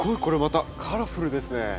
これまたカラフルですね。